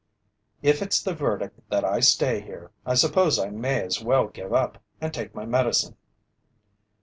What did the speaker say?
"If it's the verdict that I stay here, I suppose I may as well give up and take my medicine."